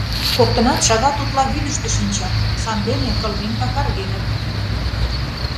Коктынат шагат утла вӱдыштӧ шинчат, сандене кылмен какаргеныт...